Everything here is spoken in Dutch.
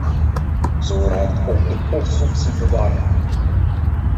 Zo raakt ook de post soms in de war.